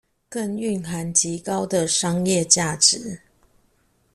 更蘊含極高的商業價值